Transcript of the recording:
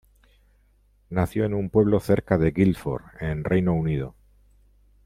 Nació en un pueblo cerca de Guildford, en Reino Unido.